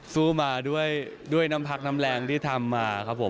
สู้มาด้วยน้ำพักน้ำแรงที่ทำมาครับผม